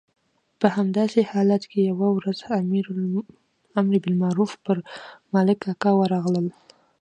په همداسې حالت کې یوه ورځ امر بالمعروف پر ملک کاکا ورغلل.